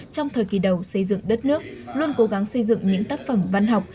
trong thời kỳ đầu xây dựng đất nước luôn cố gắng xây dựng những tác phẩm văn học